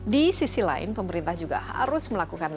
di sisi lain pemerintah juga harus melakukan